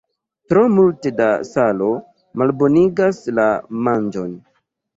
Tro multe da salo malbonigas la manĝon.